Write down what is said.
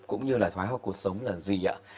cũng như là thoái hoa cuộc sống là gì ạ